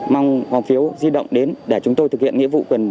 mong bầu cử di động đến để chúng tôi thực hiện nhiệm vụ